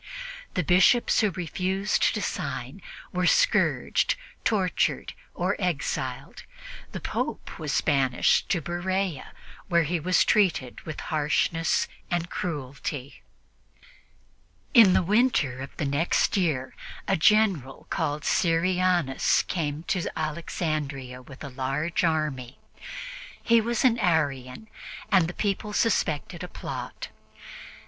The Bishops who refused to sign were scourged, tortured or exiled; the Pope was banished to Berea, where he was treated with harshness and cruelty. In the winter of the next year, a General called Syrianus came to Alexandria with a large army. He was an Arian, and the people suspected a plot.